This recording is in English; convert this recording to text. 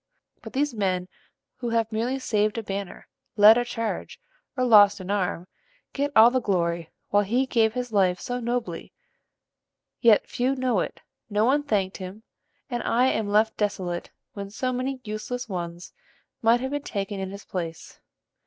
But these men who have merely saved a banner, led a charge, or lost an arm, get all the glory, while he gave his life so nobly; yet few know it, no one thanked him, and I am left desolate when so many useless ones might have been taken in his place.